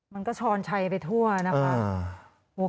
มันก็ช้อนชัยไปทั่วนะคะ